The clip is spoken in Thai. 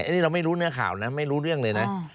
อันนี้เราไม่รู้เนื้อข่าวนะไม่รู้เรื่องเลยนะ